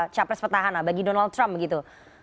capres petahana bagi donald trump begitu